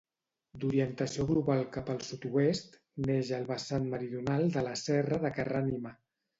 D'orientació global cap al sud-oest, neix al vessant meridional de la Serra de Carrànima.